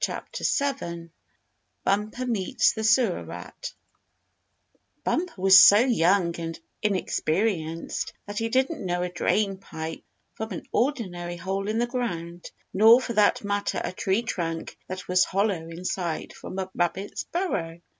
STORY VII BUMPER MEETS THE SEWER RAT Bumper was so young and inexperienced that he didn't know a drain pipe from an ordinary hole in the ground, nor for that matter a tree trunk that was hollow inside from a rabbit's burrow.